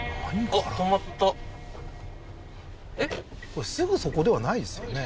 これ「すぐそこ」ではないですよね